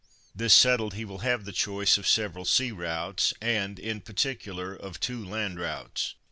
This settled, he will have the choice of several sea routes and, in particular, of two land routes.